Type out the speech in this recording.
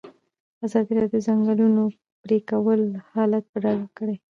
ازادي راډیو د د ځنګلونو پرېکول حالت په ډاګه کړی.